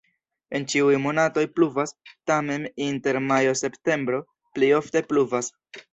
En ĉiuj monatoj pluvas, tamen inter majo-septempbro pli ofte pluvas.